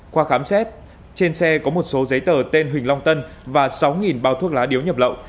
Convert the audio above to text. qua khám xét trên xe có một số giấy tờ tên huỳnh long tân và sáu bao thuốc lá điếu nhập lậu